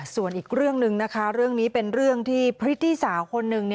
ส่วนอีกเรื่องหนึ่งนะคะเรื่องนี้เป็นเรื่องที่พริตตี้สาวคนหนึ่ง